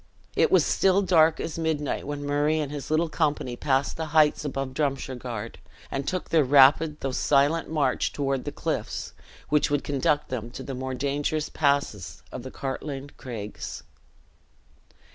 It was still dark as midnight when Murray and his little company passed the heights above Drumshargard, and took their rapid though silent march toward the cliffs, which would conduct them to the more dangerous passes of the Cartlane Craigs.